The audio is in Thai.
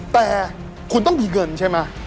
แต่คุณต้องมีเงินใช่ไหม